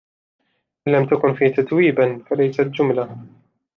إن لم تكن في تتويبا ، فليست جملة.